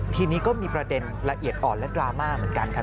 ทีนี้ก็มีประเด็นละเอียดอ่อนและดราม่าเหมือนกันครับ